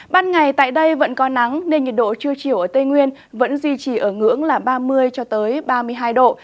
ban ngày tại đây vẫn có nắng nên nhiệt độ trưa chiều ở tây nguyên vẫn duy trì ở ngưỡng là ba mươi cho tới ba mươi hai độ